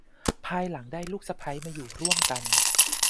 ภายหลังได้ลูกสะใภ้มาอยู่ร่วมกัน